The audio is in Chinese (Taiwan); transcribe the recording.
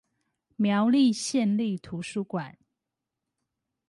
苗栗縣立圖書館